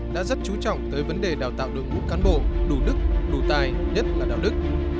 đã rất chú trọng tới vấn đề đào tạo đội ngũ cán bộ đủ đức đủ tài nhất là đạo đức